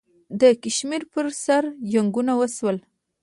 د کشمیر پر سر جنګونه وشول.